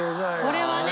これはね！